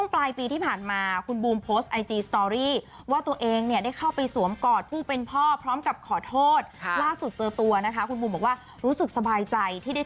ที่ได้ทำในสิ่งที่ถูกต้องและควรทำค่ะ